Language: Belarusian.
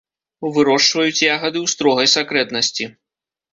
Вырошчваюць ягады ў строгай сакрэтнасці.